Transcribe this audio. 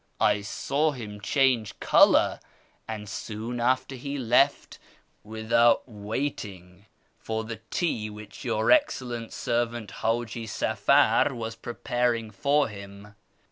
' I saw him change colour, and soon after he left, without waiting for the tea which your excellent servant Haji Safar was preparing for him.